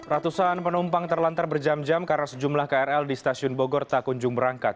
ratusan penumpang terlantar berjam jam karena sejumlah krl di stasiun bogor tak kunjung berangkat